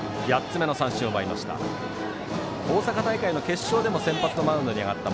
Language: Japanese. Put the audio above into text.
８つ目の三振を奪いました。